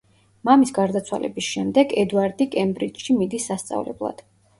მამის გარდაცვალების შემდეგ, ედვარდი კემბრიჯში მიდის სასწავლებლად.